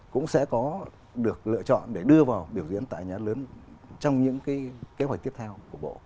cũng sẽ có được lựa chọn để đưa vào biểu diễn tại nhà lớn trong những kế hoạch tiếp theo của bộ